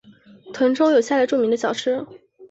腾冲有下列著名的小吃。